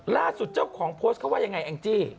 ล่าสุดเจ้าของโพสต์เขาว่ายังไงแองจี้